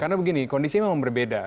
karena begini kondisi memang berbeda